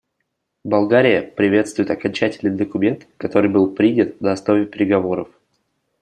Болгария приветствует окончательный документ, который был принят на основе переговоров.